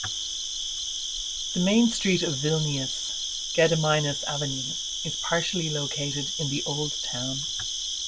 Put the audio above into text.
The main street of Vilnius, Gediminas Avenue, is partially located in the Old Town.